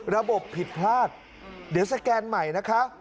ระบบผิดพลาดเดี๋ยวสแกนใหม่นะคะ